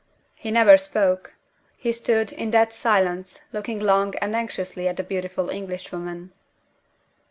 He never spoke. He stood, in dead silence, looking long and anxiously at the beautiful Englishwoman.